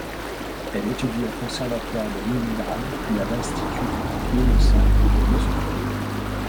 Elle étudie au Conservatoire de Léningrad puis à l'Institut Gnesin de Moscou.